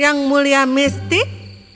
yang mulia mistik